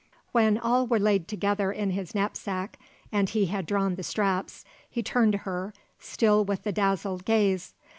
When all were laid together in his knapsack and he had drawn the straps, he turned to her, still with the dazzled gaze.